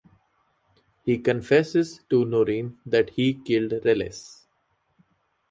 He confesses to Noreen that he killed Reles.